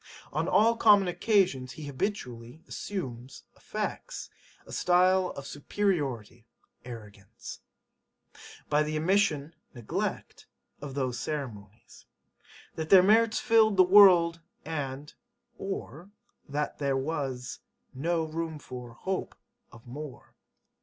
On all common occasions he habitually [assumes] affects a style of [superiority] arrogance. By the [omission] neglect of those ceremonies. That their merits filled the world [and] or that there was no [room for] hope of more.'